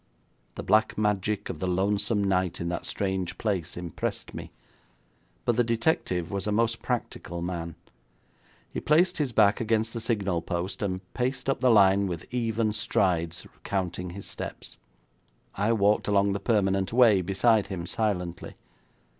The black magic of the lonesome night in that strange place impressed me, but the detective was a most practical man. He placed his back against the signal post, and paced up the line with even strides, counting his steps. I walked along the permanent way beside him silently.